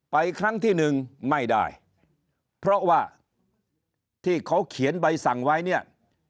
ครั้งที่หนึ่งไม่ได้เพราะว่าที่เขาเขียนใบสั่งไว้เนี่ย